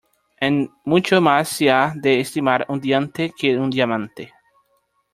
En mucho más se ha de estimar un diente que un diamante.